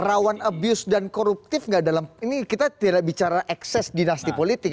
rawan abuse dan koruptif nggak dalam ini kita tidak bicara ekses dinasti politik